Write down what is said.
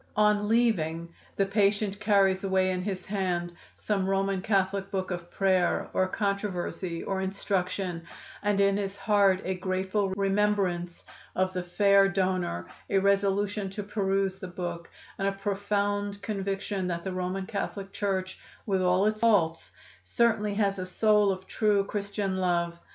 On leaving the patient carries away in his hand some Roman Catholic book of prayer, or controversy, or instruction, and in his heart a grateful remembrance of the fair donor, a resolution to peruse the book, and a profound conviction that the Roman Catholic Church, with all its faults, certainly has a soul of true Christian love.